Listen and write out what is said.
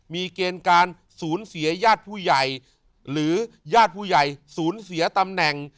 มีเกณฑ์การสูญเสียญาติผู้ใหญ่หรือญาติผู้ใหญ่ศูนย์เสียตำแหน่ง